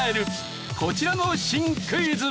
こちらの新クイズ。